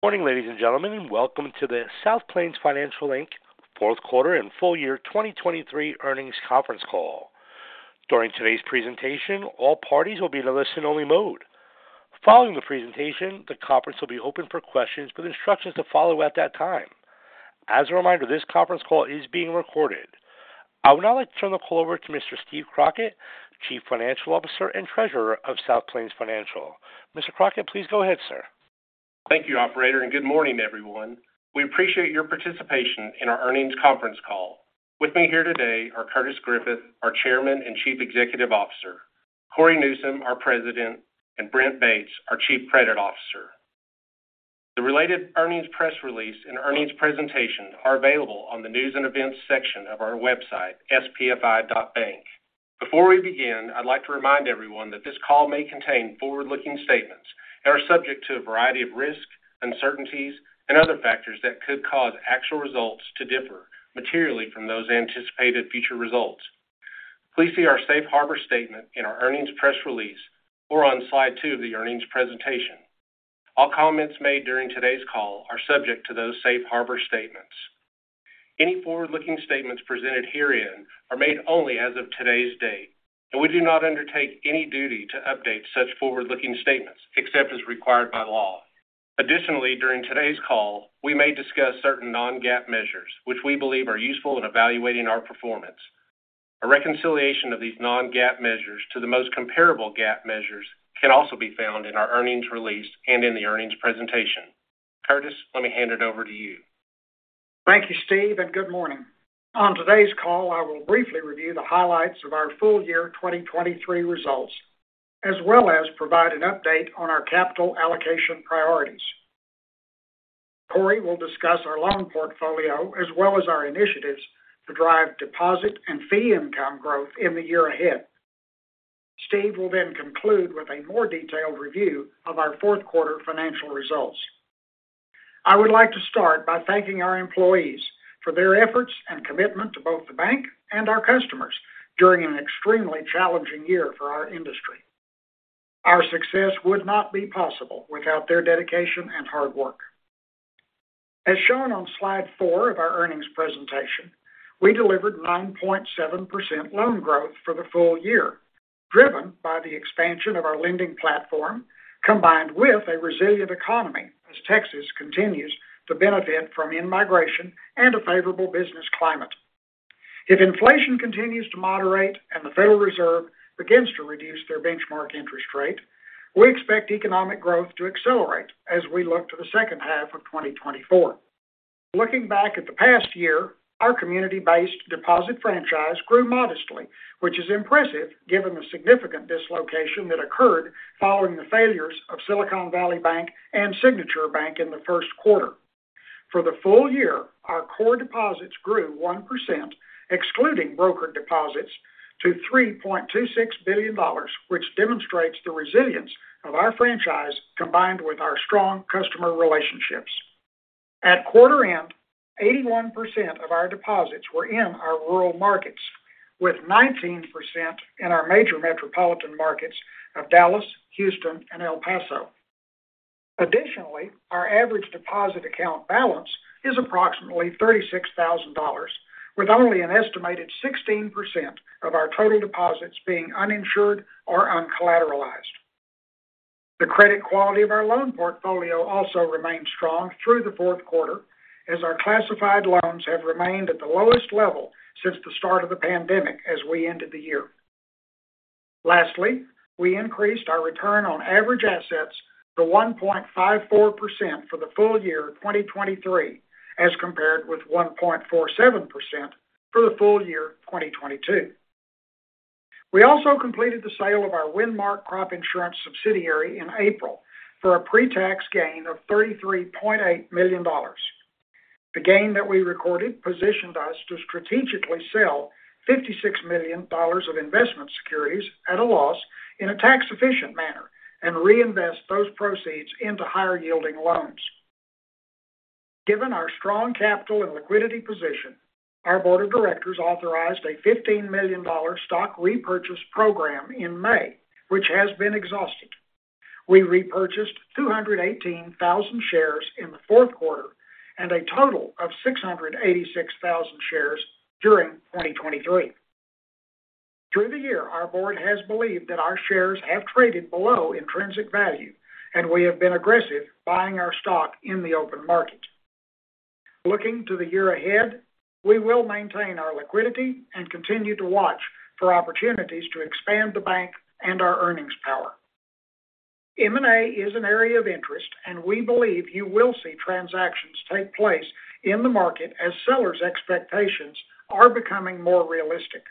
Good morning, ladies and gentlemen, and welcome to the South Plains Financial, Inc. Fourth Quarter and Full Year 2023 Earnings Conference Call. During today's presentation, all parties will be in a listen-only mode. Following the presentation, the conference will be open for questions with instructions to follow at that time. As a reminder, this conference call is being recorded. I would now like to turn the call over to Mr. Steve Crockett, Chief Financial Officer and Treasurer of South Plains Financial, Inc. Mr. Crockett, please go ahead, sir. Thank you, operator, and good morning, everyone. We appreciate your participation in our earnings conference call. With me here today are Curtis Griffith, our Chairman and Chief Executive Officer, Cory Newsom, our President, and Brent Bates, our Chief Credit Officer. The related earnings press release and earnings presentation are available on the News and Events section of our website, spfi.bank. Before we begin, I'd like to remind everyone that this call may contain forward-looking statements that are subject to a variety of risks, uncertainties, and other factors that could cause actual results to differ materially from those anticipated future results. Please see our safe harbor statement in our earnings press release or on slide two of the earnings presentation. All comments made during today's call are subject to those safe harbor statements. Any forward-looking statements presented herein are made only as of today's date, and we do not undertake any duty to update such forward-looking statements, except as required by law. Additionally, during today's call, we may discuss certain non-GAAP measures, which we believe are useful in evaluating our performance. A reconciliation of these non-GAAP measures to the most comparable GAAP measures can also be found in our earnings release and in the earnings presentation. Curtis, let me hand it over to you. Thank you, Steve, and good morning. On today's call, I will briefly review the highlights of our full year 2023 results, as well as provide an update on our capital allocation priorities. Cory will discuss our loan portfolio, as well as our initiatives to drive deposit and fee income growth in the year ahead. Steve will then conclude with a more detailed review of our fourth quarter financial results. I would like to start by thanking our employees for their efforts and commitment to both the bank and our customers during an extremely challenging year for our industry. Our success would not be possible without their dedication and hard work. As shown on slide four of our earnings presentation, we delivered 9.7% loan growth for the full year, driven by the expansion of our lending platform, combined with a resilient economy as Texas continues to benefit from in-migration and a favorable business climate. If inflation continues to moderate and the Federal Reserve begins to reduce their benchmark interest rate, we expect economic growth to accelerate as we look to the second half of 2024. Looking back at the past year, our community-based deposit franchise grew modestly, which is impressive given the significant dislocation that occurred following the failures of Silicon Valley Bank and Signature Bank in the first quarter. For the full year, our core deposits grew 1%, excluding brokered deposits, to $3.26 billion, which demonstrates the resilience of our franchise, combined with our strong customer relationships. At quarter end, 81% of our deposits were in our rural markets, with 19% in our major metropolitan markets of Dallas, Houston, and El Paso. Additionally, our average deposit account balance is approximately $36,000, with only an estimated 16% of our total deposits being uninsured or uncollateralized. The credit quality of our loan portfolio also remained strong through the fourth quarter, as our classified loans have remained at the lowest level since the start of the pandemic as we ended the year. Lastly, we increased our return on average assets to 1.54% for the full year 2023, as compared with 1.47% for the full year 2022. We also completed the sale of our Windmark Crop Insurance subsidiary in April for a pre-tax gain of $33.8 million. The gain that we recorded positioned us to strategically sell $56 million of investment securities at a loss in a tax-efficient manner and reinvest those proceeds into higher-yielding loans. Given our strong capital and liquidity position, our board of directors authorized a $15 million stock repurchase program in May, which has been exhausted. We repurchased 218,000 shares in the fourth quarter and a total of 686,000 shares during 2023. Through the year, our board has believed that our shares have traded below intrinsic value, and we have been aggressive buying our stock in the open market. Looking to the year ahead, we will maintain our liquidity and continue to watch for opportunities to expand the bank and our earnings power. M&A is an area of interest, and we believe you will see transactions take place in the market as sellers' expectations are becoming more realistic.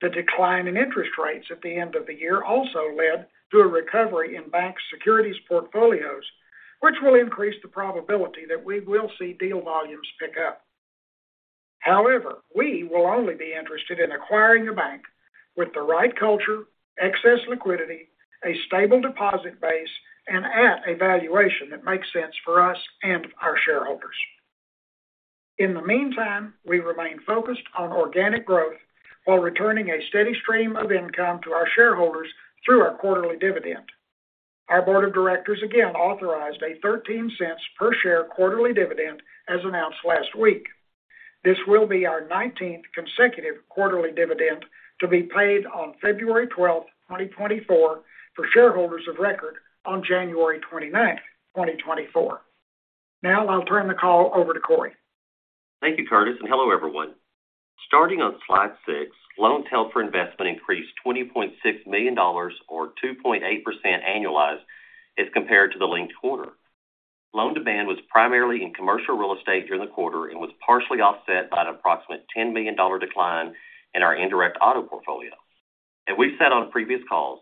The decline in interest rates at the end of the year also led to a recovery in bank securities portfolios, which will increase the probability that we will see deal volumes pick up. However, we will only be interested in acquiring a bank with the right culture, excess liquidity, a stable deposit base, and at a valuation that makes sense for us and our shareholders. In the meantime, we remain focused on organic growth while returning a steady stream of income to our shareholders through our quarterly dividend. Our board of directors again authorized a $0.13 per share quarterly dividend, as announced last week. This will be our 19th consecutive quarterly dividend to be paid on February 12, 2024, for shareholders of record on January 29, 2024. Now I'll turn the call over to Cory. Thank you, Curtis, and hello, everyone. Starting on slide 6, loans held for investment increased $20.6 million or 2.8% annualized as compared to the linked quarter. Loan demand was primarily in commercial real estate during the quarter and was partially offset by an approximate $10 million decline in our indirect auto portfolio. As we've said on previous calls,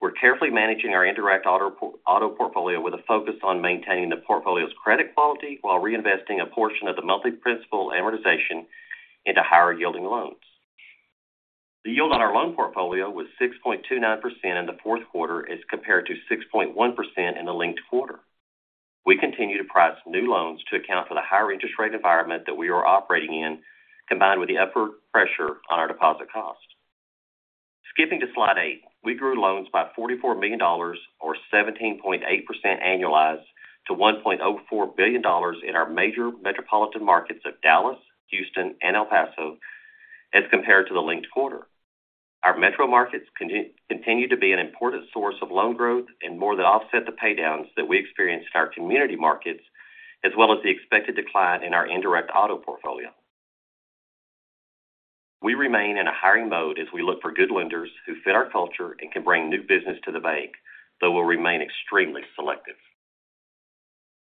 we're carefully managing our indirect auto, auto portfolio with a focus on maintaining the portfolio's credit quality while reinvesting a portion of the monthly principal amortization into higher-yielding loans. The yield on our loan portfolio was 6.29% in the fourth quarter as compared to 6.1% in the linked quarter. We continue to price new loans to account for the higher interest rate environment that we are operating in, combined with the upward pressure on our deposit costs. Skipping to slide 8, we grew loans by $44 million or 17.8% annualized to $1.04 billion in our major metropolitan markets of Dallas, Houston, and El Paso as compared to the linked quarter. Our metro markets continue to be an important source of loan growth and more than offset the paydowns that we experienced in our community markets, as well as the expected decline in our indirect auto portfolio. We remain in a hiring mode as we look for good lenders who fit our culture and can bring new business to the bank, though we'll remain extremely selective.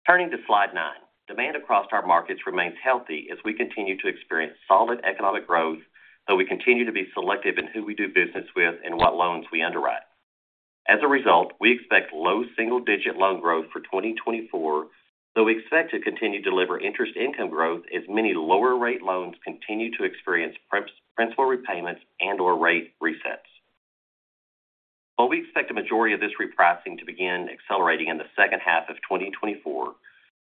Turning to slide nine. Demand across our markets remains healthy as we continue to experience solid economic growth, though we continue to be selective in who we do business with and what loans we underwrite. As a result, we expect low single-digit loan growth for 2024, though we expect to continue to deliver interest income growth as many lower rate loans continue to experience principal repayments and/or rate resets. While we expect the majority of this repricing to begin accelerating in the second half of 2024,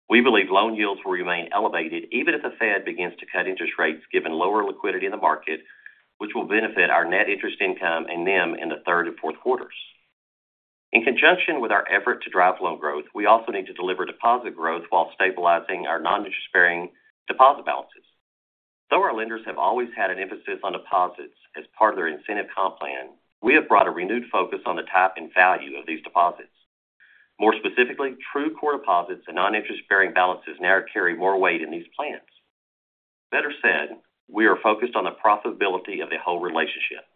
we believe loan yields will remain elevated even if the Fed begins to cut interest rates, given lower liquidity in the market, which will benefit our net interest income and NIM in the third and fourth quarters. In conjunction with our effort to drive loan growth, we also need to deliver deposit growth while stabilizing our non-interest-bearing deposit balances. Though our lenders have always had an emphasis on deposits as part of their incentive comp plan, we have brought a renewed focus on the type and value of these deposits. More specifically, true core deposits and non-interest-bearing balances now carry more weight in these plans. Better said, we are focused on the profitability of the whole relationship.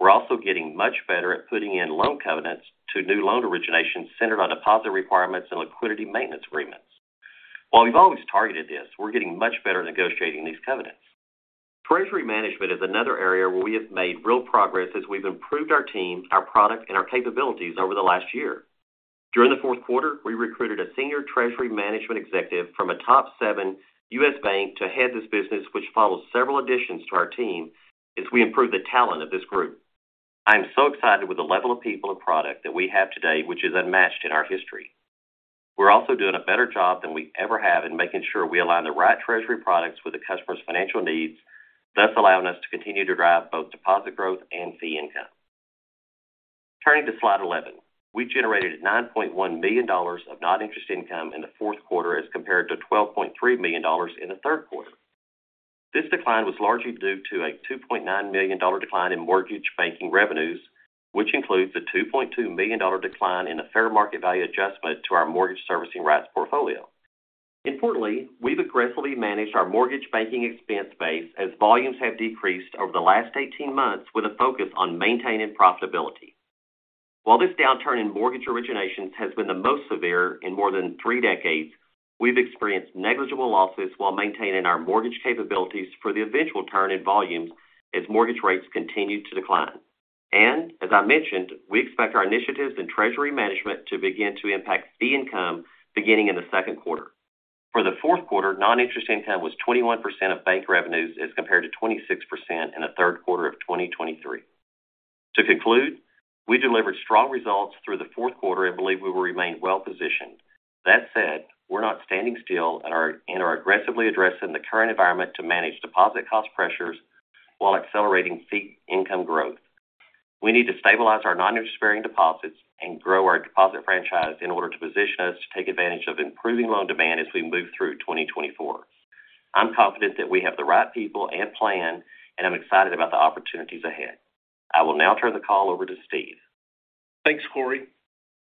We're also getting much better at putting in loan covenants to new loan originations centered on deposit requirements and liquidity maintenance agreements. While we've always targeted this, we're getting much better at negotiating these covenants. Treasury management is another area where we have made real progress as we've improved our team, our product, and our capabilities over the last year. During the fourth quarter, we recruited a senior treasury management executive from a top seven US bank to head this business, which follows several additions to our team as we improve the talent of this group. I am so excited with the level of people and product that we have today, which is unmatched in our history. We're also doing a better job than we ever have in making sure we align the right treasury products with the customer's financial needs, thus allowing us to continue to drive both deposit growth and fee income. Turning to slide 11. We generated $9.1 million of non-interest income in the fourth quarter, as compared to $12.3 million in the third quarter. This decline was largely due to a $2.9 million decline in mortgage banking revenues, which includes a $2.2 million decline in the fair market value adjustment to our mortgage servicing rights portfolio. Importantly, we've aggressively managed our mortgage banking expense base as volumes have decreased over the last 18 months with a focus on maintaining profitability. While this downturn in mortgage originations has been the most severe in more than three decades, we've experienced negligible losses while maintaining our mortgage capabilities for the eventual turn in volumes as mortgage rates continue to decline. As I mentioned, we expect our initiatives in treasury management to begin to impact fee income beginning in the second quarter. For the fourth quarter, non-interest income was 21% of bank revenues, as compared to 26% in the third quarter of 2023. To conclude, we delivered strong results through the fourth quarter and believe we will remain well positioned. That said, we're not standing still and are aggressively addressing the current environment to manage deposit cost pressures while accelerating fee income growth. We need to stabilize our non-interest-bearing deposits and grow our deposit franchise in order to position us to take advantage of improving loan demand as we move through 2024. I'm confident that we have the right people and plan, and I'm excited about the opportunities ahead. I will now turn the call over to Steve. Thanks, Cory.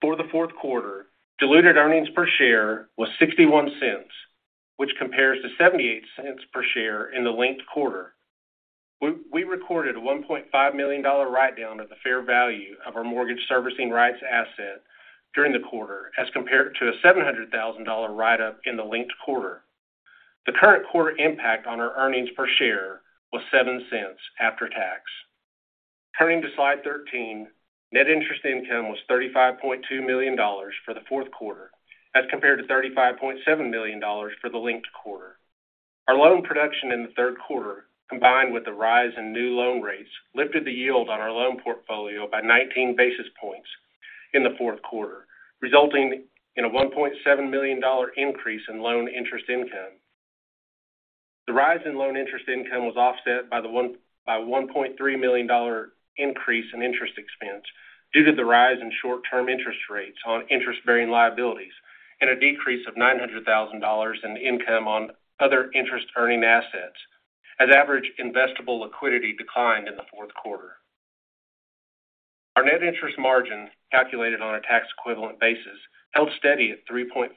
For the fourth quarter, diluted earnings per share was $0.61, which compares to $0.78 per share in the linked quarter. We recorded a $1.5 million write-down of the fair value of our mortgage servicing rights asset during the quarter, as compared to a $700,000 write-up in the linked quarter. The current quarter impact on our earnings per share was $0.07 after tax. Turning to slide 13, net interest income was $35.2 million for the fourth quarter, as compared to $35.7 million for the linked quarter. Our loan production in the third quarter, combined with the rise in new loan rates, lifted the yield on our loan portfolio by 19 basis points in the fourth quarter, resulting in a $1.7 million increase in loan interest income. The rise in loan interest income was offset by the $1.3 million increase in interest expense due to the rise in short-term interest rates on interest-bearing liabilities and a decrease of $900,000 in income on other interest-earning assets, as average investable liquidity declined in the fourth quarter. Our net interest margin, calculated on a tax equivalent basis, held steady at 3.52%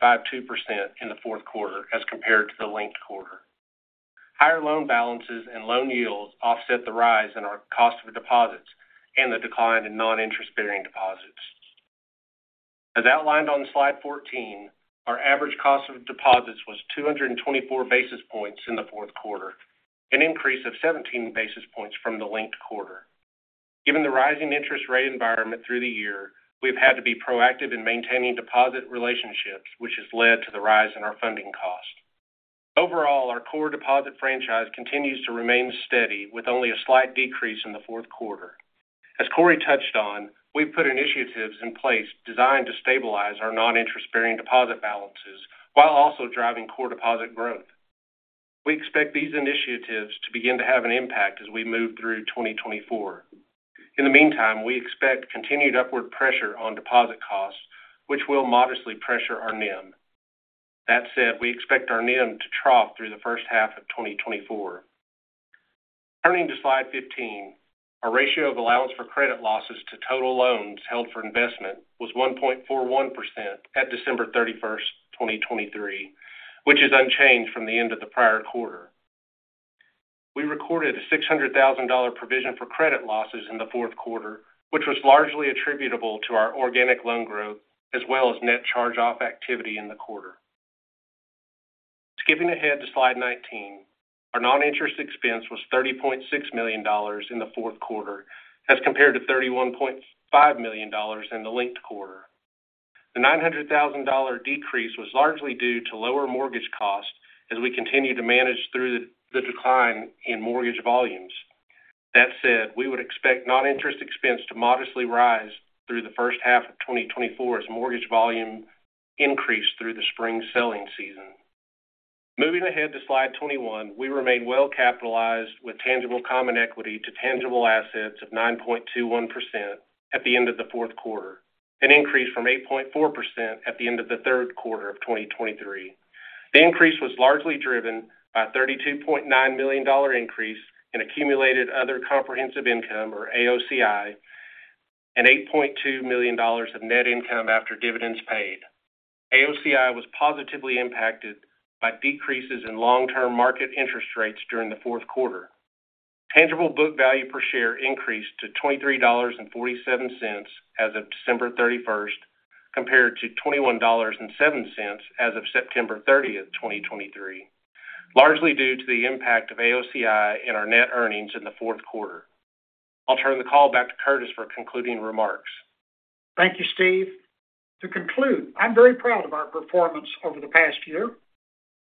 in the fourth quarter as compared to the linked quarter. Higher loan balances and loan yields offset the rise in our cost of deposits and the decline in non-interest-bearing deposits. As outlined on slide 14, our average cost of deposits was 224 basis points in the fourth quarter, an increase of 17 basis points from the linked quarter. Given the rising interest rate environment through the year, we've had to be proactive in maintaining deposit relationships, which has led to the rise in our funding cost. Overall, our core deposit franchise continues to remain steady, with only a slight decrease in the fourth quarter. As Cory touched on, we've put initiatives in place designed to stabilize our non-interest-bearing deposit balances while also driving core deposit growth. We expect these initiatives to begin to have an impact as we move through 2024. In the meantime, we expect continued upward pressure on deposit costs, which will modestly pressure our NIM. That said, we expect our NIM to trough through the first half of 2024.Turning to slide 15, our ratio of allowance for credit losses to total loans held for investment was 1.41% at December 31, 2023, which is unchanged from the end of the prior quarter. We recorded a $600,000 provision for credit losses in the fourth quarter, which was largely attributable to our organic loan growth, as well as net charge-off activity in the quarter. Skipping ahead to slide 19, our non-interest expense was $30.6 million in the fourth quarter, as compared to $31.5 million in the linked quarter. The $900,000 decrease was largely due to lower mortgage costs as we continue to manage through the decline in mortgage volumes. That said, we would expect non-interest expense to modestly rise through the first half of 2024 as mortgage volume increase through the spring selling season. Moving ahead to slide 21, we remain well capitalized with tangible common equity to tangible assets of 9.21% at the end of the fourth quarter, an increase from 8.4% at the end of the third quarter of 2023. The increase was largely driven by a $32.9 million increase in accumulated other comprehensive income, or AOCI, and $8.2 million of net income after dividends paid. AOCI was positively impacted by decreases in long-term market interest rates during the fourth quarter. Tangible book value per share increased to $23.47 as of December 31st, compared to $21.07 as of September 30th, 2023, largely due to the impact of AOCI in our net earnings in the fourth quarter. I'll turn the call back to Curtis for concluding remarks. Thank you, Steve. To conclude, I'm very proud of our performance over the past year.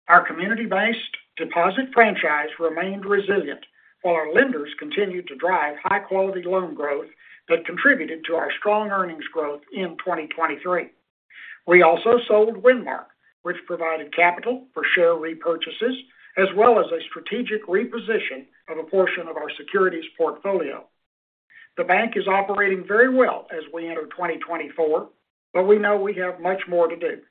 Our community-based deposit franchise remained resilient, while our lenders continued to drive high-quality loan growth that contributed to our strong earnings growth in 2023. We also sold Windmark, which provided capital for share repurchases, as well as a strategic reposition of a portion of our securities portfolio. The bank is operating very well as we enter 2024, but we know we have much more to do.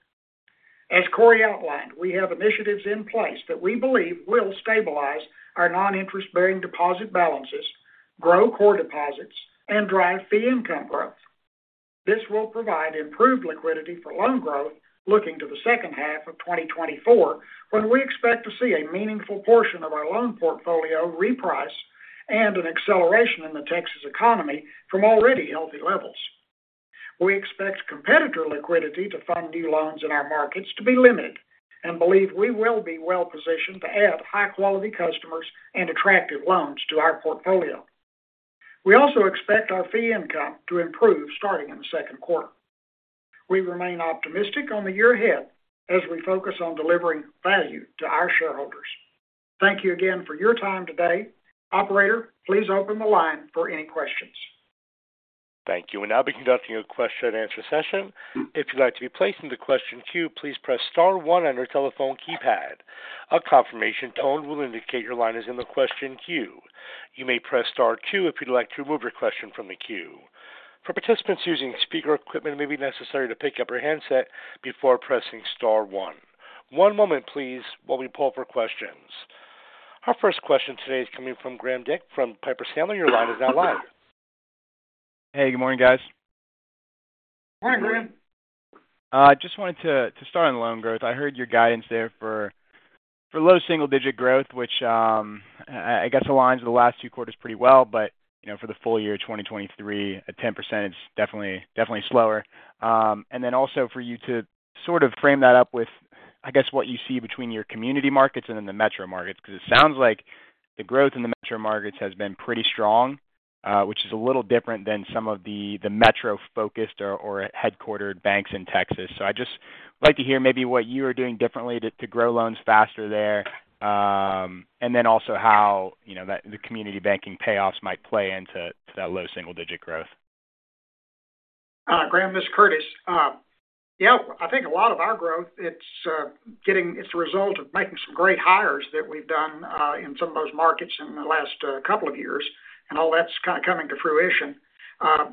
As Cory outlined, we have initiatives in place that we believe will stabilize our non-interest-bearing deposit balances, grow core deposits, and drive fee income growth. This will provide improved liquidity for loan growth looking to the second half of 2024, when we expect to see a meaningful portion of our loan portfolio reprice and an acceleration in the Texas economy from already healthy levels. We expect competitor liquidity to fund new loans in our markets to be limited and believe we will be well positioned to add high-quality customers and attractive loans to our portfolio. We also expect our fee income to improve starting in the second quarter. We remain optimistic on the year ahead as we focus on delivering value to our shareholders. Thank you again for your time today. Operator, please open the line for any questions. Thank you. We'll now be conducting a question-and-answer session. If you'd like to be placed into question queue, please press star one on your telephone keypad. A confirmation tone will indicate your line is in the question queue. You may press star two if you'd like to remove your question from the queue. For participants using speaker equipment, it may be necessary to pick up your handset before pressing star one. One moment, please, while we pull for questions. Our first question today is coming from Graham Dick from Piper Sandler. Your line is now live. Hey, Good morning, guys. Morning, Graham. Just wanted to start on loan growth. I heard your guidance there for low single digit growth, which I guess aligns with the last two quarters pretty well. But you know, for the full year 2023, at 10%, it's definitely, definitely slower. And then also for you to sort of frame that up with, I guess, what you see between your community markets and then the metro markets, because it sounds like the growth in the metro markets has been pretty strong, which is a little different than some of the metro-focused or headquartered banks in Texas.So I just like to hear maybe what you are doing differently to grow loans faster there, and then also how you know that the community banking payoffs might play into that low single digit growth. Graham, this is Curtis. Yeah, I think a lot of our growth, it's getting—it's a result of making some great hires that we've done in some of those markets in the last couple of years, and all that's kind of coming to fruition.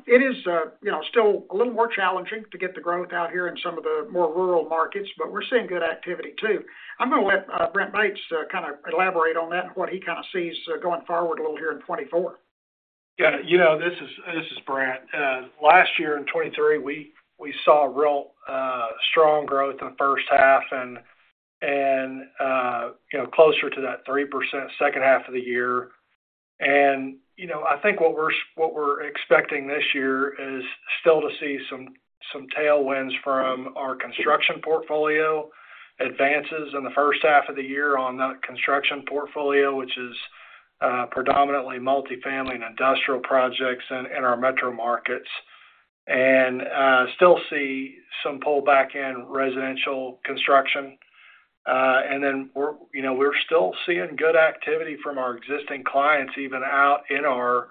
It is, you know, still a little more challenging to get the growth out here in some of the more rural markets, but we're seeing good activity, too. I'm going to let Brent Bates kind of elaborate on that and what he kind of sees going forward a little here in 2024. Yeah, you know, this is Brent. Last year in 2023, we saw real strong growth in the first half and you know, closer to that 3% second half of the year. And, you know, I think what we're expecting this year is still to see some tailwinds from our construction portfolio, advances in the first half of the year on that construction portfolio, which is predominantly multifamily and industrial projects in our metro markets. And still see some pullback in residential construction. And then, we're you know, we're still seeing good activity from our existing clients, even out in our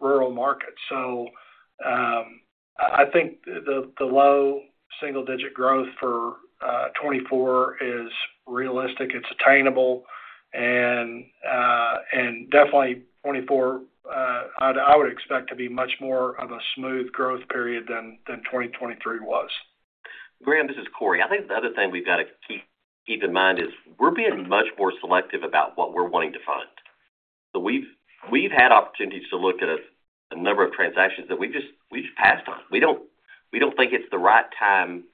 rural markets.I think the low single-digit growth for 2024 is realistic, it's attainable, and definitely 2024 I would expect to be much more of a smooth growth period than 2023 was. Graham, this is Cory. I think the other thing we've got to keep, keep in mind is we're being much more selective about what we're wanting to fund. So we've, we've had opportunities to look at a, a number of transactions that we've just, we've passed on. We don't, we don't think it's the right time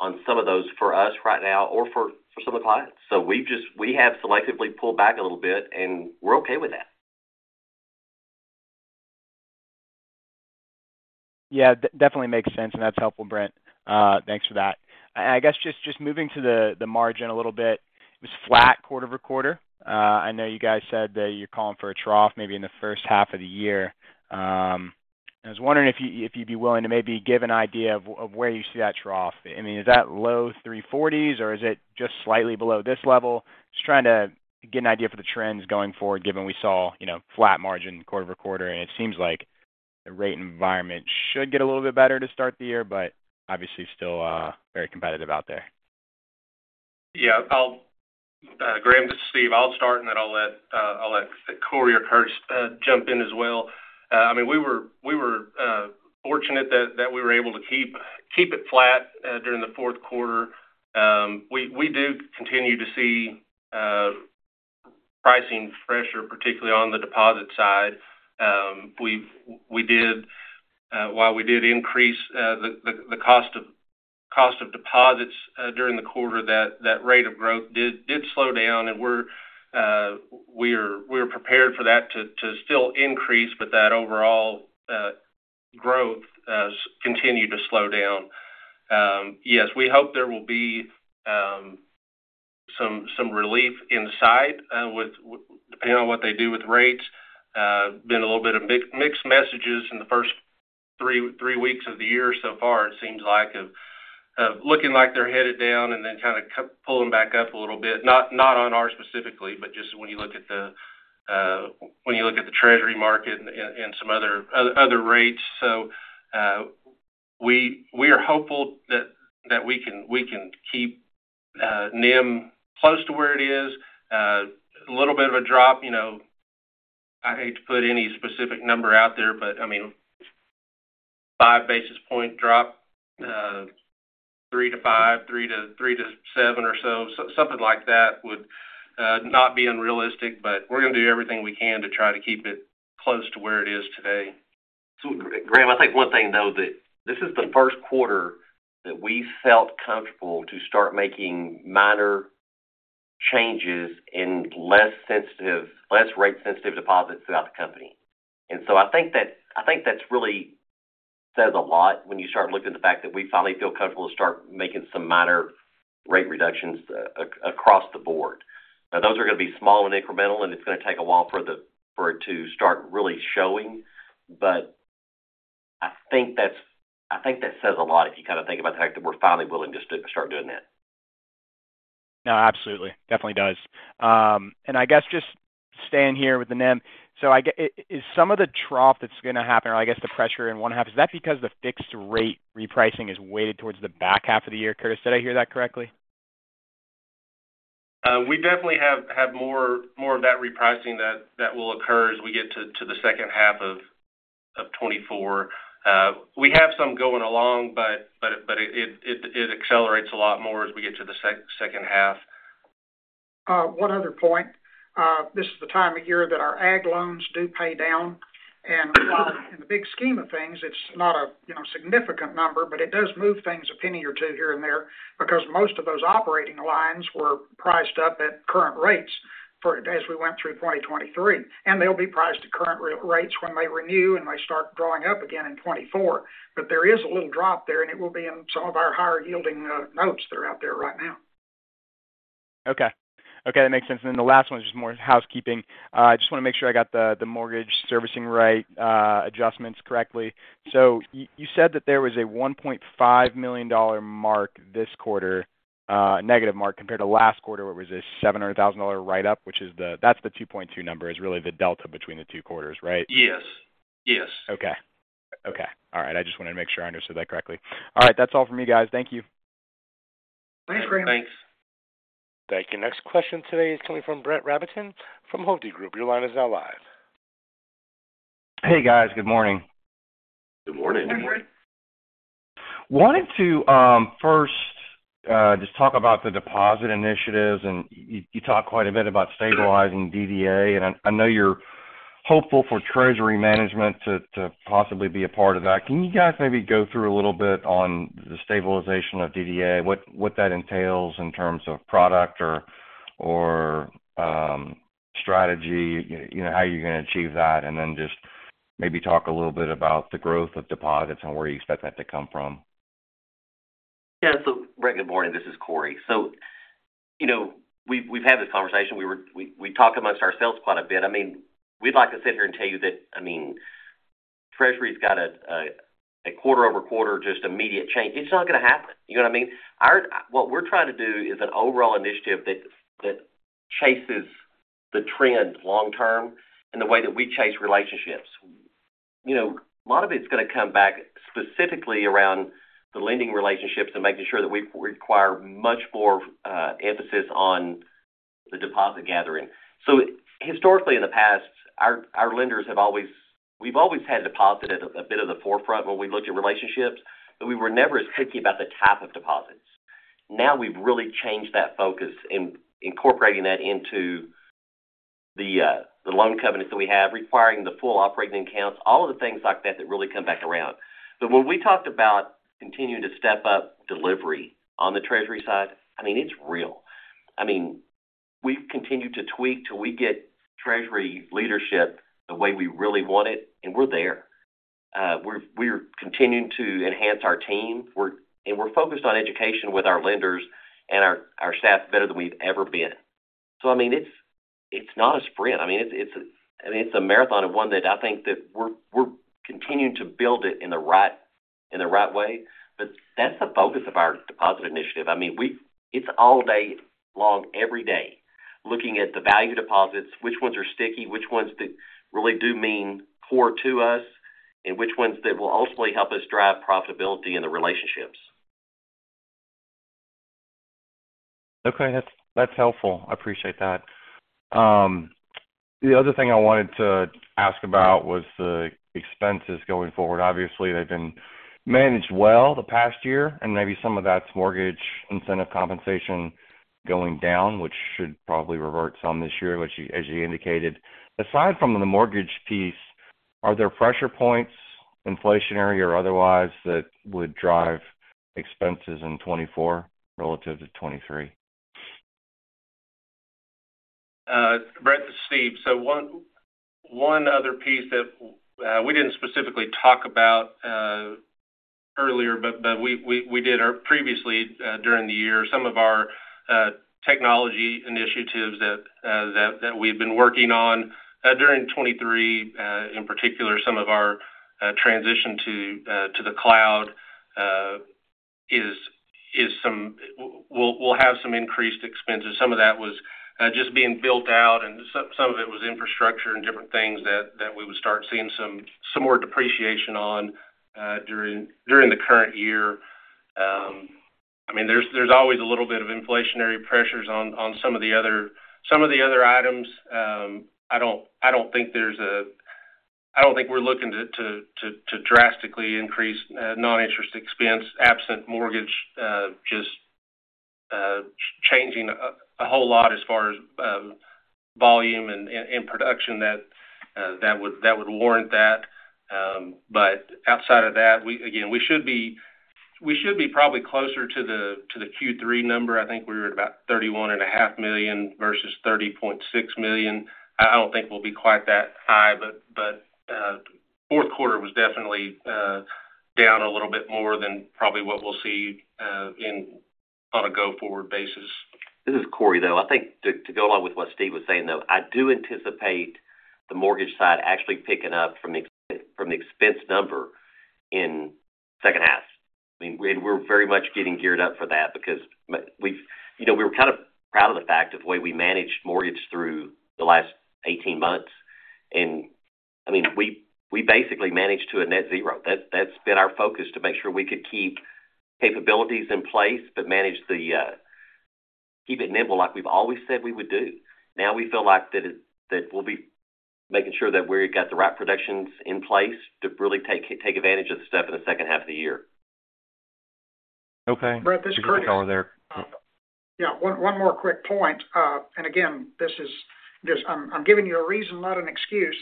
on some of those for us right now or for, for some of the clients. So we've just, we have selectively pulled back a little bit, and we're okay with that. Yeah, definitely makes sense, and that's helpful, Brent. Thanks for that. I guess just moving to the margin a little bit, it was flat quarter-over-quarter. I know you guys said that you're calling for a trough maybe in the first half of the year. I was wondering if you, if you'd be willing to maybe give an idea of where you see that trough. I mean, is that low 3.40s, or is it just slightly below this level? Just trying to get an idea for the trends going forward, given we saw, you know, flat margin quarter-over-quarter, and it seems like the rate environment should get a little bit better to start the year, but obviously still very competitive out there. Yeah, I'll, Graham, this is Steve. I'll start, and then I'll let Corey or Curtis jump in as well. I mean, we were fortunate that we were able to keep it flat during the fourth quarter. We do continue to see pricing pressure, particularly on the deposit side. We did, while we did increase the cost of deposits during the quarter, that rate of growth did slow down, and we're prepared for that to still increase, but that overall growth continued to slow down. Yes, we hope there will be some relief in sight, with depending on what they do with rates. Been a little bit of mixed messages in the first three weeks of the year so far, it seems like, of looking like they're headed down and then kind of pull them back up a little bit. Not on our specifically, but just when you look at the Treasury market and some other rates. So, we are hopeful that we can keep NIM close to where it is. A little bit of a drop, you know, I hate to put any specific number out there, but I mean, 5 basis point drop, 3-5, 3-7 or so. So something like that would not be unrealistic, but we're going to do everything we can to try to keep it close to where it is today. So, Graham, I think one thing, though, that this is the first quarter that we felt comfortable to start making minor changes in less sensitive - less rate-sensitive deposits throughout the company. And so I think that, I think that's really says a lot when you start looking at the fact that we finally feel comfortable to start making some minor rate reductions across the board. Now, those are going to be small and incremental, and it's going to take a while for the - for it to start really showing, but I think that's - I think that says a lot if you kind of think about the fact that we're finally willing just to start doing that. No, absolutely. Definitely does. And I guess just staying here with the NIM, so is some of the trough that's going to happen, or I guess, the pressure in one half, is that because the fixed rate repricing is weighted towards the back half of the year? Curtis, did I hear that correctly? We definitely have more of that repricing that will occur as we get to the second half of 2024. We have some going along, but it accelerates a lot more as we get to the second half. One other point, this is the time of year that our ag loans do pay down. And, in the big scheme of things, it's not a, you know, significant number, but it does move things a penny or two here and there because most of those operating lines were priced up at current rates for as we went through 2023. And they'll be priced at current rates when they renew, and they start drawing up again in 2024. But there is a little drop there, and it will be in some of our higher-yielding notes that are out there right now. Okay. Okay, that makes sense. And then the last one is just more housekeeping. I just want to make sure I got the, the mortgage servicing right adjustments correctly. So you said that there was a $1.5 million mark this quarter, negative mark, compared to last quarter, where it was a $700,000 write-up, which is the-- that's the 2.2 number, is really the delta between the two quarters, right? Yes. Yes. Okay. Okay. All right. I just wanted to make sure I understood that correctly. All right. That's all for me, guys. Thank you. Thanks. Thank you. Next question today is coming from Brett Rabatin from Hovde Group. Your line is now live. Hey, guys. Good morning. Good morning. Good morning. Wanted to first just talk about the deposit initiatives, and you talked quite a bit about stabilizing DDA, and I know you're hopeful for treasury management to possibly be a part of that. Can you guys maybe go through a little bit on the stabilization of DDA, what that entails in terms of product or strategy, you know, how you're going to achieve that? And then just maybe talk a little bit about the growth of deposits and where you expect that to come from. Yeah. So Brett, good morning, this is Cory. So, you know, we've had this conversation. We talk amongst ourselves quite a bit. I mean, we'd like to sit here and tell you that, I mean, Treasury's got a quarter over quarter, just immediate change. It's not going to happen. You know what I mean? What we're trying to do is an overall initiative that chases the trends long term and the way that we chase relationships. You know, a lot of it's going to come back specifically around the lending relationships and making sure that we require much more emphasis on the deposit gathering. So historically, in the past, our lenders have always had deposit at a bit of the forefront when we looked at relationships, but we were never as picky about the type of deposits. Now we've really changed that focus in incorporating that into the loan covenants that we have, requiring the full operating accounts, all of the things like that, that really come back around. But when we talked about continuing to step up delivery on the treasury side, I mean, it's real. I mean, we've continued to tweak till we get treasury leadership the way we really want it, and we're there. We're continuing to enhance our team. And we're focused on education with our lenders and our staff better than we've ever been. So I mean, it's not a sprint. I mean, it's a marathon of one that I think that we're continuing to build it in the right way, but that's the focus of our deposit initiative.I mean, it's all day long, every day, looking at the value deposits, which ones are sticky, which ones that really do mean core to us, and which ones that will ultimately help us drive profitability in the relationships. Okay, that's helpful. I appreciate that. The other thing I wanted to ask about was the expenses going forward. Obviously, they've been managed well the past year, and maybe some of that's mortgage incentive compensation going down, which should probably revert some this year, which you, as you indicated. Aside from the mortgage piece, are there pressure points, inflationary or otherwise, that would drive expenses in 2024 relative to 2023? Brett, this is Steve. So one, one other piece that we didn't specifically talk about earlier, but we did our previously during the year, some of our technology initiatives that that we've been working on during 2023, in particular, some of our transition to to the cloud is some... We'll have some increased expenses. Some of that was just being built out, and some of it was infrastructure and different things that we would start seeing some more depreciation on during the current year. I mean, there's always a little bit of inflationary pressures on some of the other items. I don't, I don't think there's a-- I don't think we're looking to drastically increase non-interest expense, absent mortgage, just changing a whole lot as far as volume and production that would warrant that. But outside of that, we again, we should be, we should be probably closer to the Q3 number. I think we were at about $31.5 million versus $30.6 million. I don't think we'll be quite that high, but fourth quarter was definitely down a little bit more than probably what we'll see in on a go-forward basis. This is Cory, though. I think to go along with what Steve was saying, though, I do anticipate the mortgage side actually picking up from the expense number in second half. I mean, we're very much getting geared up for that because we've-- you know, we were kind of proud of the fact of the way we managed mortgage through the last 18 months, and I mean, we, we basically managed to a net zero. That's been our focus to make sure we could keep capabilities in place, but manage the keep it nimble like we've always said we would do. Now, we feel like that we'll be making sure that we've got the right productions in place to really take advantage of the step in the second half of the year. Okay. Brett, this is Curtis. Over there. Yeah, one more quick point. And again, this is—I'm giving you a reason, not an excuse.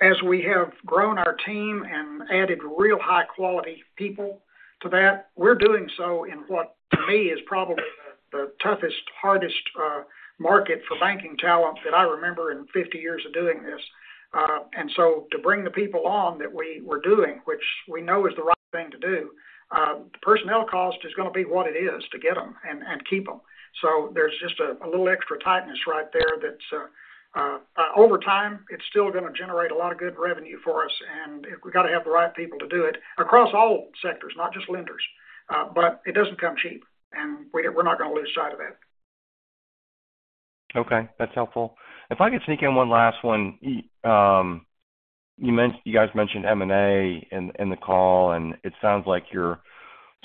As we have grown our team and added real high-quality people to that, we're doing so in what, to me, is probably the toughest, hardest market for banking talent that I remember in 50 years of doing this. And so to bring the people on that we were doing, which we know is the right thing to do, the personnel cost is going to be what it is to get them and keep them. So there's just a little extra tightness right there that's over time, it's still going to generate a lot of good revenue for us, and we got to have the right people to do it across all sectors, not just lenders. But it doesn't come cheap, and we, we're not going to lose sight of that. Okay, that's helpful. If I could sneak in one last one. You guys mentioned M&A in the call, and it sounds like you're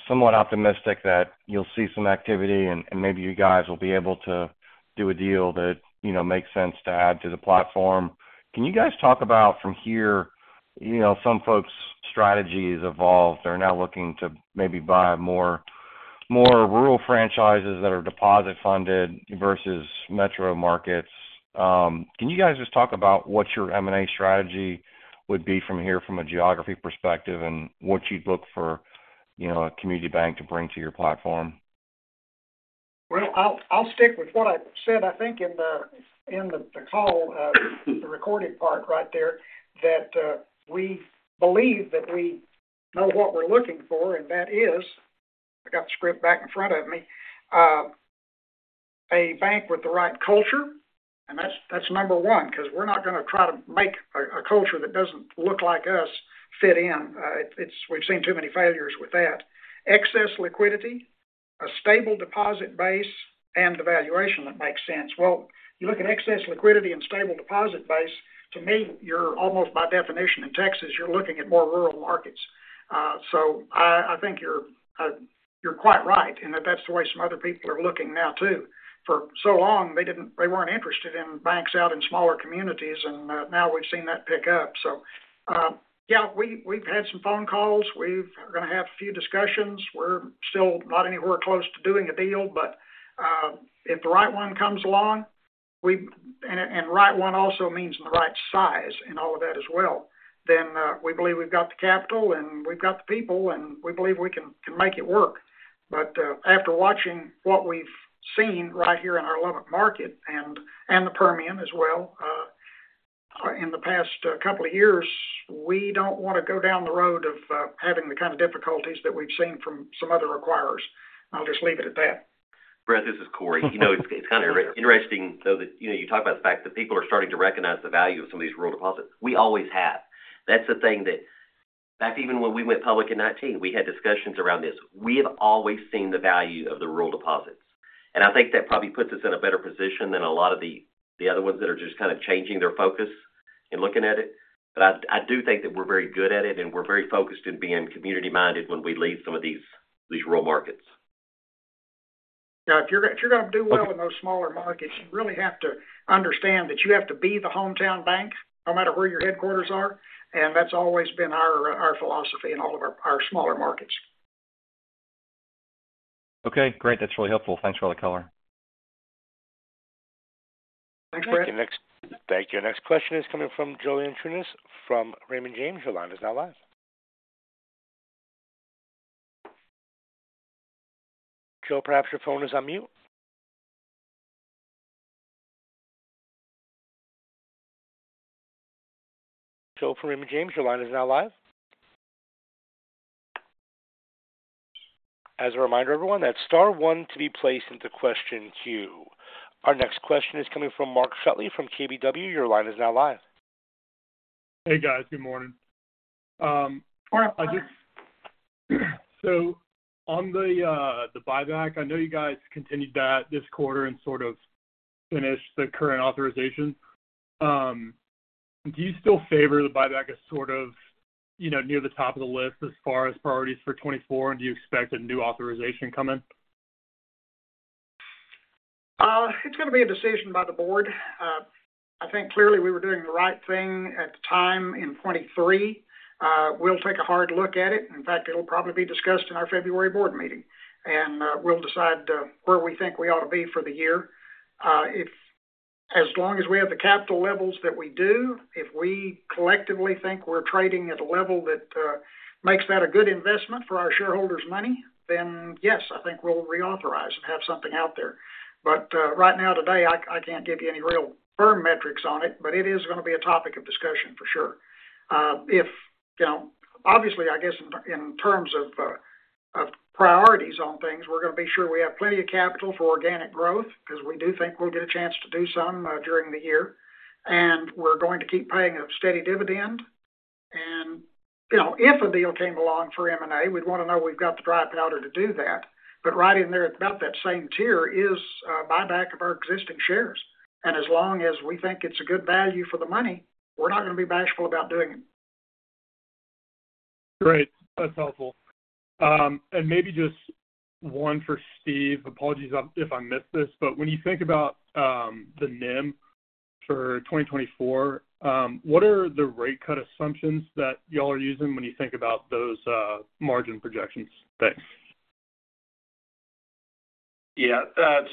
somewhat optimistic that you'll see some activity and maybe you guys will be able to do a deal that, you know, makes sense to add to the platform. Can you guys talk about from here, you know, some folks' strategies evolve. They're now looking to maybe buy more rural franchises that are deposit-funded versus metro markets. Can you guys just talk about what your M&A strategy would be from here from a geography perspective, and what you'd look for, you know, a community bank to bring to your platform? Well, I'll stick with what I said, I think in the call, the recorded part right there, that we believe that we know what we're looking for, and that is, I got the script back in front of me, a bank with the right culture, and that's number one, because we're not going to try to make a culture that doesn't look like us fit in. It's. We've seen too many failures with that. Excess liquidity, a stable deposit base, and a valuation that makes sense. Well, you look at excess liquidity and stable deposit base, to me, you're almost by definition in Texas, you're looking at more rural markets. So I think you're quite right in that that's the way some other people are looking now, too. For so long, they weren't interested in banks out in smaller communities, and now we've seen that pick up. So, yeah, we've had some phone calls. We're gonna have a few discussions. We're still not anywhere close to doing a deal, but if the right one comes along, and right one also means the right size and all of that as well, then we believe we've got the capital and we've got the people, and we believe we can make it work. But after watching what we've seen right here in our Lubbock market and the Permian as well, in the past couple of years, we don't want to go down the road of having the kind of difficulties that we've seen from some other acquirers. I'll just leave it at that. Brett, this is Cory. You know, it's kind of interesting, though, that, you know, you talk about the fact that people are starting to recognize the value of some of these rural deposits. We always have. That's the thing that back even when we went public in 2019, we had discussions around this. We have always seen the value of the rural deposits, and I think that probably puts us in a better position than a lot of the other ones that are just kind of changing their focus in looking at it. But I do think that we're very good at it, and we're very focused in being community-minded when we lead some of these rural markets. Yeah, if you're going to do well in those smaller markets, you really have to understand that you have to be the hometown bank, no matter where your headquarters are. That's always been our philosophy in all of our smaller markets. Okay, great. That's really helpful. Thanks for all the color. Thanks, Brett. Thank you. Next. Thank you. Our next question is coming from Joe Yanchunis from Raymond James. Your line is now live. Joe, perhaps your phone is on mute. Joe, from Raymond James, your line is now live. As a reminder, everyone, that's star one to be placed into question queue. Our next question is coming from Mark Shutley from KBW. Your line is now live. Hey, guys. Good morning. Good morning. So on the buyback, I know you guys continued that this quarter and sort of finished the current authorization. Do you still favor the buyback as sort of, you know, near the top of the list as far as priorities for 2024, and do you expect a new authorization coming? It's going to be a decision by the board. I think clearly we were doing the right thing at the time in 2023. We'll take a hard look at it. In fact, it'll probably be discussed in our February board meeting, and we'll decide where we think we ought to be for the year. If as long as we have the capital levels that we do, if we collectively think we're trading at a level that makes that a good investment for our shareholders' money, then yes, I think we'll reauthorize and have something out there. But right now, today, I can't give you any real firm metrics on it, but it is going to be a topic of discussion for sure. If, you know, obviously, I guess in, in terms of, of priorities on things, we're going to be sure we have plenty of capital for organic growth because we do think we'll get a chance to do some, during the year, and we're going to keep paying a steady dividend. And, you know, if a deal came along for M&A, we'd want to know we've got the dry powder to do that. But right in there, at about that same tier, is buyback of our existing shares. And as long as we think it's a good value for the money, we're not going to be bashful about doing it. Great. That's helpful. And maybe just one for Steve. Apologies if I missed this, but when you think about the NIM for 2024, what are the rate cut assumptions that y'all are using when you think about those margin projections? Thanks. Yeah,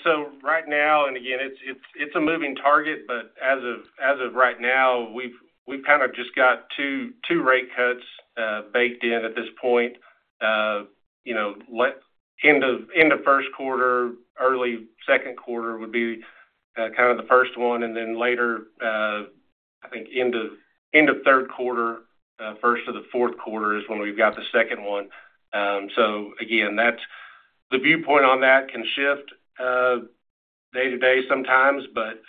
so right now, and again, it's a moving target, but as of right now, we've kind of just got two rate cuts baked in at this point. You know, late end of first quarter, early second quarter would be kind of the first one, and then later, I think end of third quarter, into the fourth quarter is when we've got the second one. So again, that's the viewpoint on that can shift day to day sometimes, but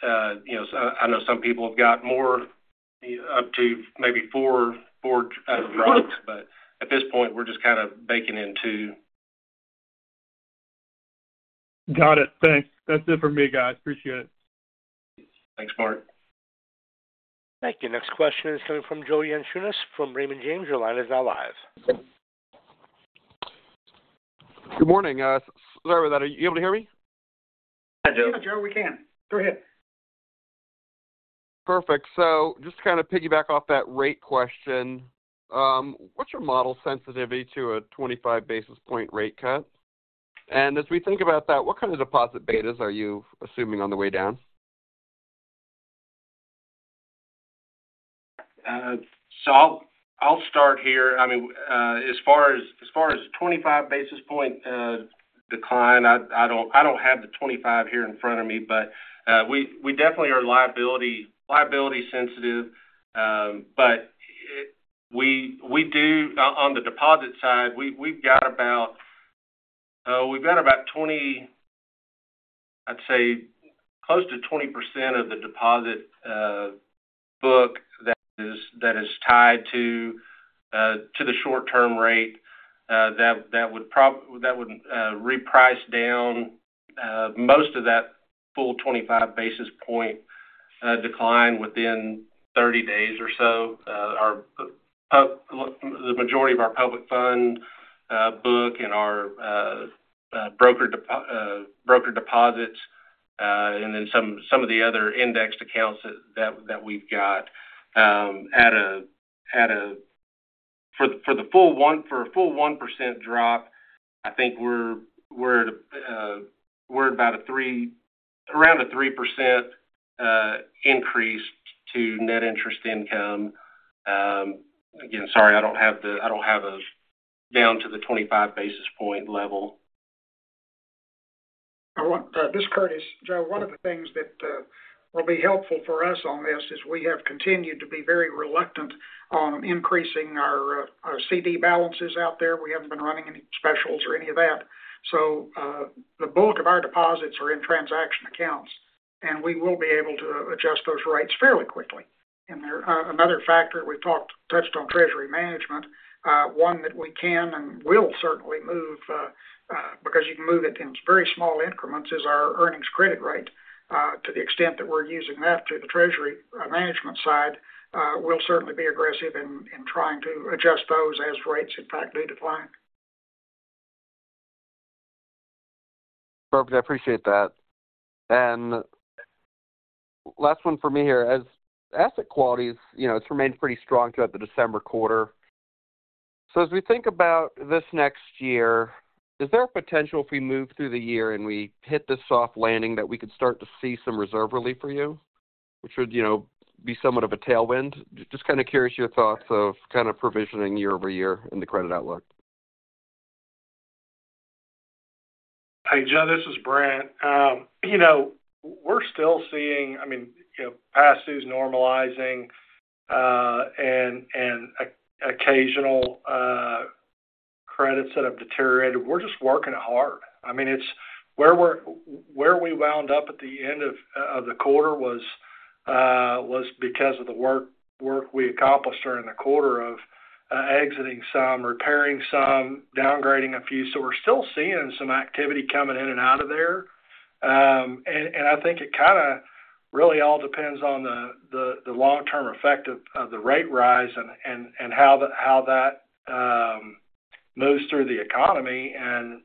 you know, so I know some people have got more up to maybe four drops, but at this point, we're just kind of baking in two. Got it. Thanks. That's it for me, guys. Appreciate it. Thanks, Mark. Thank you. Next question is coming from Joe Yanchunis from Raymond James. Your line is now live. Good morning. Sorry about that. Are you able to hear me? I do. Yeah, Joe, we can. Go ahead. Perfect. So just to kind of piggyback off that rate question, what's your model sensitivity to a 25 basis point rate cut? And as we think about that, what kind of deposit betas are you assuming on the way down? So I'll start here. I mean, as far as 25 basis point decline, I don't have the 25 here in front of me, but we definitely are liability sensitive. But we do, on the deposit side, we've got about, we've got about 20%-- I'd say close to 20% of the deposit book that is tied to the short-term rate, that would reprice down most of that full 25 basis point decline within 30 days or so. Our public fund book and our broker deposits, and then some of the other indexed accounts that we've got at a, at a...For a full 1% drop, I think we're at around a 3% increase to net interest income. Again, sorry, I don't have it down to the 25 basis point level. This is Curtis. Joe, one of the things that will be helpful for us on this is we have continued to be very reluctant on increasing our CD balances out there. We haven't been running any specials or any of that. So, the bulk of our deposits are in transaction accounts, and we will be able to adjust those rates fairly quickly. And there, another factor we talked, touched on treasury management, one that we can and will certainly move, because you can move it in very small increments, is our earnings credit rate. To the extent that we're using that to the treasury management side, we'll certainly be aggressive in trying to adjust those as rates, in fact, do decline. Perfect. I appreciate that. Last one for me here. As asset quality, you know, it's remained pretty strong throughout the December quarter. As we think about this next year, is there a potential if we move through the year and we hit this soft landing, that we could start to see some reserve relief for you, which would, you know, be somewhat of a tailwind? Just kind of curious your thoughts of kind of provisioning year-over-year in the credit outlook. Hey, Joe, this is Brent. You know, we're still seeing, I mean, you know, past dues normalizing, and occasional credits that have deteriorated. We're just working it hard. I mean, it's where we're—where we wound up at the end of the quarter was because of the work we accomplished during the quarter of exiting some, repairing some, downgrading a few. So we're still seeing some activity coming in and out of there. And I think it kinda really all depends on the long-term effect of the rate rise and how that moves through the economy. And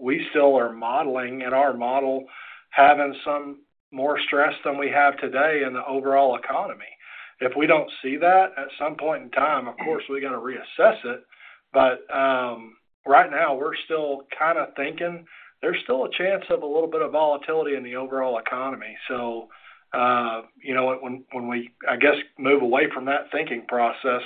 we still are modeling in our model, having some more stress than we have today in the overall economy. If we don't see that, at some point in time, of course, we're going to reassess it. But, right now, we're still kinda thinking there's still a chance of a little bit of volatility in the overall economy. So, you know, when we, I guess, move away from that thinking process,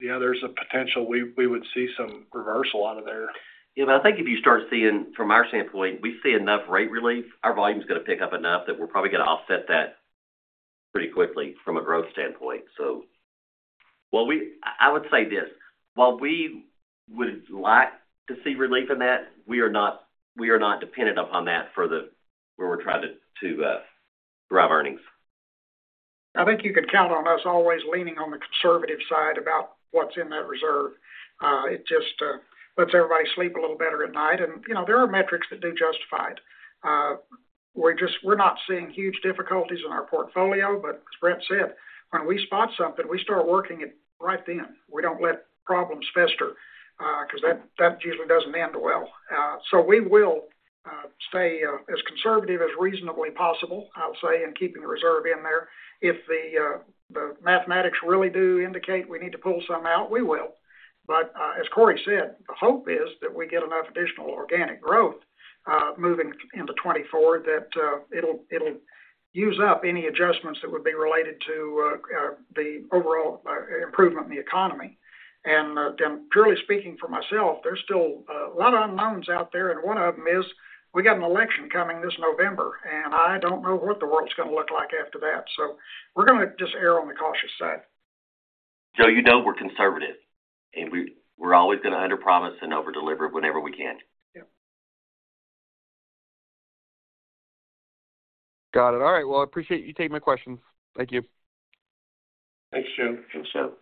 yeah, there's a potential we would see some reversal out of there. Yeah, but I think if you start seeing from our standpoint, we see enough rate relief, our volume is going to pick up enough that we're probably going to offset that pretty quickly from a growth standpoint. So, well, we—I, I would say this: while we would like to see relief in that, we are not, we are not dependent upon that for the, where we're trying to, to drive earnings. I think you can count on us always leaning on the conservative side about what's in that reserve. It just lets everybody sleep a little better at night. And, you know, there are metrics that do justify it. We're just not seeing huge difficulties in our portfolio, but as Brent said, when we spot something, we start working it right then. We don't let problems fester because that usually doesn't end well. So we will stay as conservative as reasonably possible, I'll say, in keeping the reserve in there. If the mathematics really do indicate we need to pull some out, we will. But, as Cory said, the hope is that we get enough additional organic growth, moving into 2024, that'll use up any adjustments that would be related to the overall improvement in the economy. And, purely speaking for myself, there's still a lot of unknowns out there, and one of them is we got an election coming this November, and I don't know what the world's going to look like after that. So we're going to just err on the cautious side. Joe, you know, we're conservative, and we're always going to underpromise and overdeliver whenever we can. Yeah. Got it. All right. Well, I appreciate you taking my questions. Thank you. Thanks, Joe. Thanks, Joe.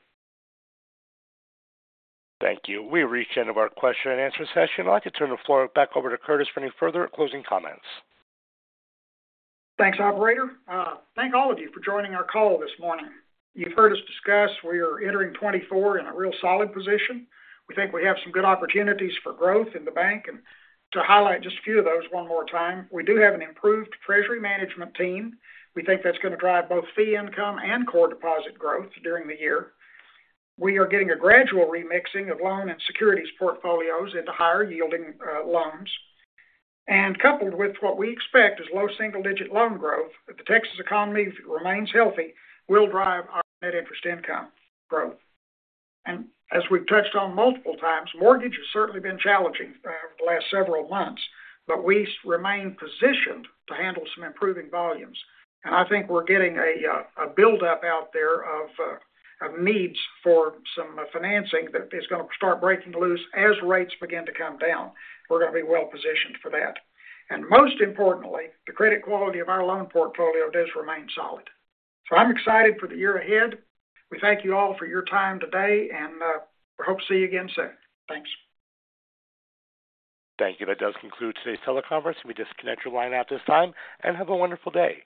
Thank you. We've reached the end of our question and answer session. I'd like to turn the floor back over to Curtis for any further closing comments. Thanks, operator. Thank all of you for joining our call this morning. You've heard us discuss we are entering 2024 in a real solid position. We think we have some good opportunities for growth in the bank, and to highlight just a few of those one more time, we do have an improved treasury management team. We think that's going to drive both fee income and core deposit growth during the year. We are getting a gradual remixing of loan and securities portfolios into higher-yielding, loans. And coupled with what we expect is low single-digit loan growth, if the Texas economy remains healthy, will drive our net interest income growth. And as we've touched on multiple times, mortgage has certainly been challenging, over the last several months, but we remain positioned to handle some improving volumes. I think we're getting a buildup out there of needs for some financing that is going to start breaking loose as rates begin to come down. We're going to be well-positioned for that. And most importantly, the credit quality of our loan portfolio does remain solid. So I'm excited for the year ahead. We thank you all for your time today, and we hope to see you again soon. Thanks. Thank you. That does conclude today's teleconference. We disconnect your line at this time, and have a wonderful day.